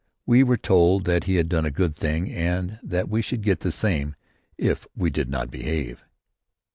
We were told that he had done a good thing and that we should get the same if we did not behave.